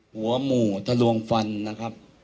หัวหมู่ทะลวงฟันนะครับ